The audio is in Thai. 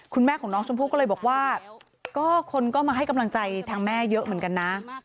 คุณแม่ของน้องชมพู่ก็เลยบอกว่าก็คนก็มาให้กำลังใจทางแม่เยอะเหมือนกันนะ